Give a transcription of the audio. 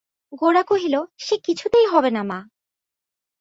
গোরা কহিল, সে কিছুতেই হবে না মা!